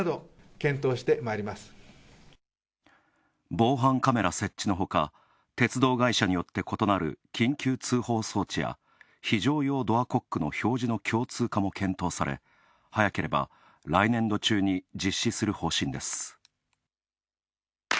防犯カメラ設置のほか、鉄道会社によって異なる緊急通報装置や非常用ドアコックの表示の共通化も検討され、早ければ来年度中に実施する方針です。